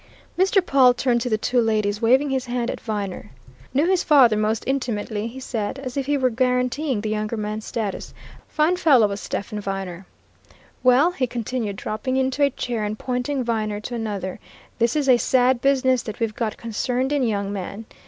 Mr. Pawle turned to the two ladies, waving his hand at Viner. "Knew his father most intimately," he said, as if he were guaranteeing the younger man's status. "Fine fellow, was Stephen Viner. Well," he continued, dropping into a chair, and pointing Viner to another, "this is a sad business that we've got concerned in, young man!